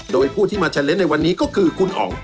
โดยผู้ที่มาชะเลสในวันนี้ก็คือคุณอ๋อง